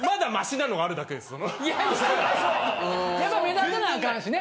やっぱ目立たなあかんしね